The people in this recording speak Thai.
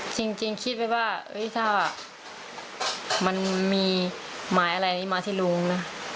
จริงคิดไว้ว่าถ้ามันมีหมายอะไรนี้มาที่ลุงนะ